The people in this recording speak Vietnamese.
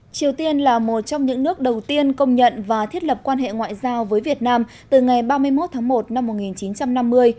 triều tiên là một trong những nước đầu tiên công nhận và thiết lập quan hệ ngoại giao với việt nam từ ngày ba mươi một tháng một năm một nghìn chín trăm năm mươi